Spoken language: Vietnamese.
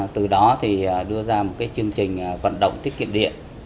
từ đó thì đưa ra một cái chương trình vận động tiết kiệm điện